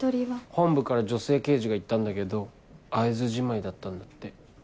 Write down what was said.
本部から女性刑事が行ったんだけど会えずじまいだったんだって。